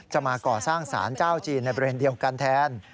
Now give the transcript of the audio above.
มาก่อสร้างสารเจ้าจีนในบริเวณเดียวกันแทน